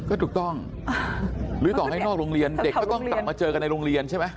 ก็ถูกต้องหรือต่อให้นอกโรงเรียนเด็กก็ต้องกลับมาเจอกันในโรงเรียนใช่ไหม